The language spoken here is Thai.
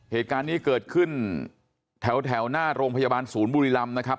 เหตุการณ์นี้เกิดขึ้นแถวหน้าโรงพยาบาลศูนย์บุรีรำนะครับ